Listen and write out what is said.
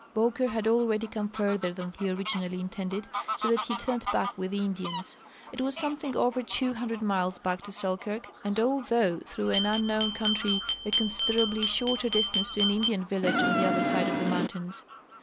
BoAvker had already come further than he originally intended, so that he turned back with the Indians. ItAvas something over two hun dred miles back to Selkirk, and although through an unknoAvn country a considerably shorter distance to an Indian village on the other side of the mountains.